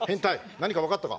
何かわかったか？